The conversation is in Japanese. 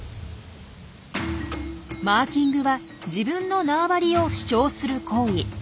マーキングは自分の縄張りを主張する行為。